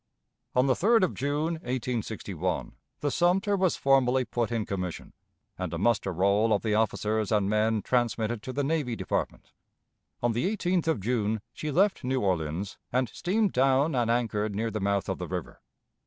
On the 3d of June, 1861, the Sumter was formally put in commission, and a muster roll of the officers and men transmitted to the Navy Department. On the 18th of June she left New Orleans and steamed down and anchored near the mouth of the river.